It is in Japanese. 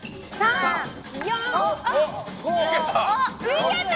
いけた！